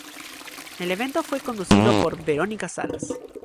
El evento fue conducido por Verónica Salas.